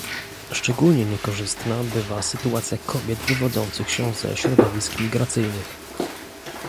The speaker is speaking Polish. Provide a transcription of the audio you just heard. Szczególnie niekorzystna bywa sytuacja kobiet wywodzących się ze środowisk migracyjnych